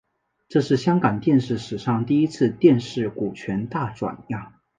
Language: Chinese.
这是香港电视史上第一次电视股权大转让。